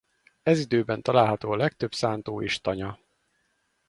Ez időben található a legtöbb szántó és tanya.